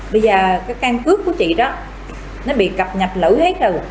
bây giờ cái căn cứ của chị đó nó bị cập nhập lửa hết rồi